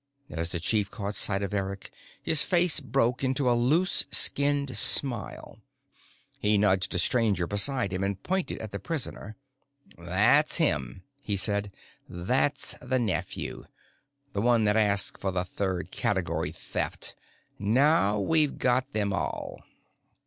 As the chief caught sight of Eric, his face broke into a loose skinned smile. He nudged a Stranger beside him and pointed at the prisoner. "That's him," he said. "That's the nephew. The one that asked for the third category Theft. Now we've got them all."